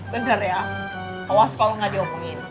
bener ya awas kalo gak diomongin